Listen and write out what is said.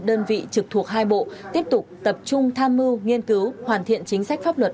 đơn vị trực thuộc hai bộ tiếp tục tập trung tham mưu nghiên cứu hoàn thiện chính sách pháp luật